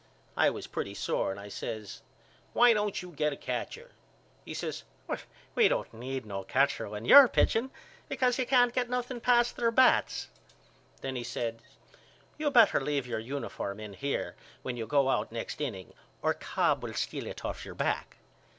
I was pretty sore and I says Why don't you get a catcher? He says We don't need no catcher when you're pitching because you can't get nothing past their bats. Then he says You better leave your uniform in here when you go out next inning or Cobb will steal it off your back.